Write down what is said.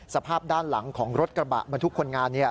สภาพด้านหลังของรถกระบะบรรทุกคนงาน